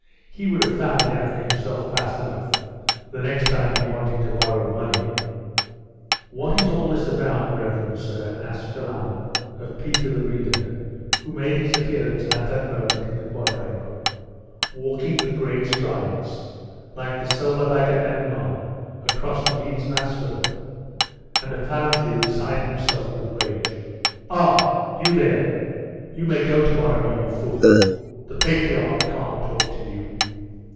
He would have found it out for himself fast enough, the next time he wanted to borrow money.' 'What is all this about, reverend sir?' asked Philammon of Peter the Reader, who made his appearance at that moment in the quadrangle, walking with great strides, like the soul of Agamemnon across the meads of Asphodel, and apparently beside himself with rage. 'Ah! you here? You may go to morrow, young fool! The patriarch can't talk to you.